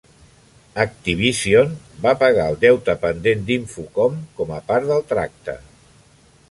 Activision va pagar el deute pendent d'Infocom com a part del tracte.